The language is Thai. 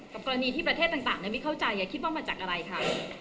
กรณีที่ประเทศต่างไม่เข้าใจอย่าคิดว่ามาจากอะไรคะ